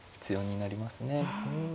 うん。